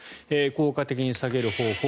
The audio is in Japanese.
効果的に下げる方法。